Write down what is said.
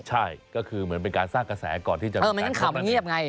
ใช่ก็คือเหมือนเป็นแบบการสร้างเกษอก่อนที่จะใหม่ให้ข่าวคือมีความเงียบไง